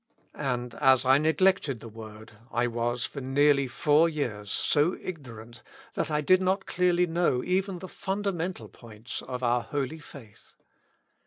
And as I neglected the word, I was for nearly four years so ignorant, that I did not clearly know even the /undamental points of our holy faith.